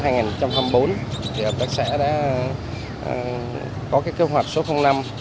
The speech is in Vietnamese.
thì hợp tác xã đã có cái kế hoạch số năm